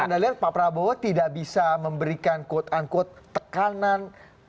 dan anda lihat pak prabowo tidak bisa memberikan quote unquote tekanan